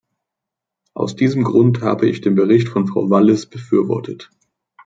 Aus diesem Grund habe ich den Bericht von Frau Wallis befürwortet.